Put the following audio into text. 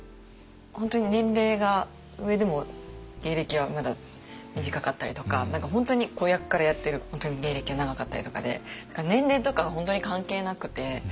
本当に年齢が上でも芸歴はまだ短かったりとか本当に子役からやってる芸歴が長かったりとかで年齢とか本当に関係なくて。